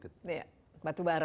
power plant batu bara